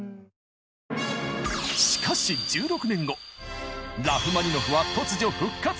しかしラフマニノフは突如復活！